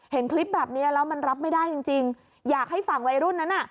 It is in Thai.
เห็นคลิปแบบนี้แล้วมันรับไม่ได้จริงจริงอยากให้ฝั่งวัยรุ่นนั้นอ่ะ